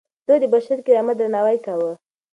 ده د بشري کرامت درناوی کاوه.